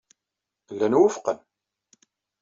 Llan wufqen.